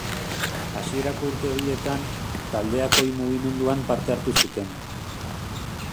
Hasierako urte horietan, taldeak oi mugimenduan parte hartu zuten.